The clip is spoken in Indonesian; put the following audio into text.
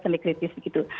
sambil kritis begitu